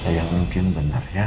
ya mungkin bener ya